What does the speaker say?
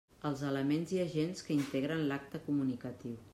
Els elements i agents que integren l'acte comunicatiu.